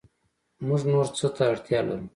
موږ نور څه ته اړتیا لرو